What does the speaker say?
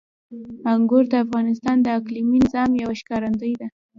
انګور د افغانستان د اقلیمي نظام یوه ښکارندوی ده.